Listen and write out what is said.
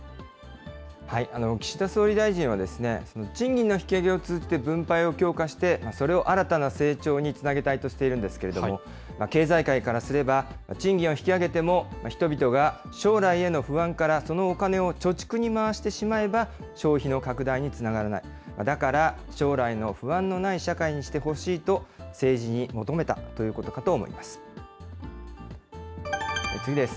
岸田総理大臣は、賃金の引き上げを通じて分配を強化して、それを新たな成長につなげたいとしているんですけれども、経済界からすれば、賃金を引き上げても人々が将来への不安から、そのお金を貯蓄に回してしまえば、消費の拡大につながらない、だから、将来の不安のない社会にしてほしいと、政治に求めたということかと思います。